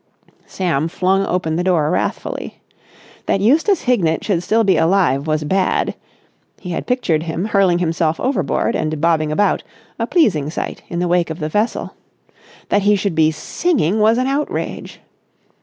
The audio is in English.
Sam flung open the door wrathfully. That Eustace Hignett should still be alive was bad—he had pictured him hurling himself overboard and bobbing about, a pleasing sight in the wake of the vessel; that he should be singing was an outrage.